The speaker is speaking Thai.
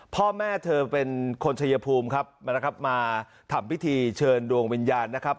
พ่อแม่เธอเป็นคนชัยภูมิครับมานะครับมาทำพิธีเชิญดวงวิญญาณนะครับ